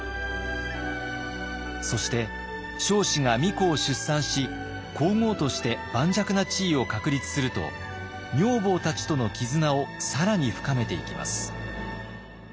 そして彰子が皇子を出産し皇后として盤石な地位を確立すると女房たちとの絆を更に深めていきます。